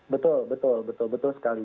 betul betul betul sekali